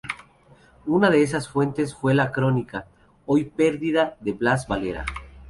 Una de esas fuentes fue la crónica, hoy perdida, de Blas Valera.